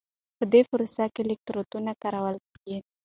په دې پروسه کې الکترودونه کارول کېږي.